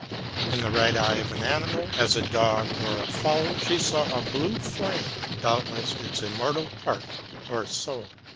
In the right eye of an animal, as a dog or a fowl, she saw a blue flame ŌĆö doubtless its immortal part, or soul.